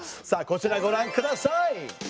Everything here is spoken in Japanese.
さあこちらご覧ください。